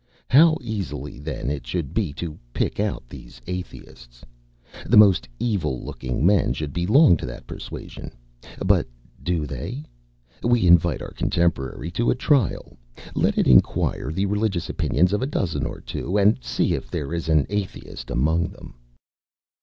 How easy, then, it should be to pick out these Atheists. The most evil looking men should belong to that persuasion. But do they? We invite our contemporary to a trial. Let it inquire the religious opinions of a dozen or two, and see if there is an Atheist among them.